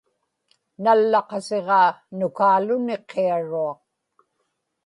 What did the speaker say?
nallaqasiġaa nukaaluni qiaruaq